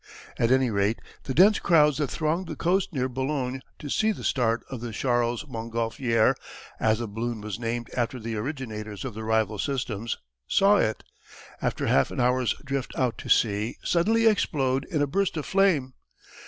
At any rate the dense crowds that thronged the coast near Boulogne to see the start of the "Charles Montgolfier" as the balloon was named after the originators of the rival systems saw it, after half an hour's drift out to sea, suddenly explode in a burst of flame.